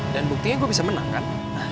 dan buktinya gue bisa menang kan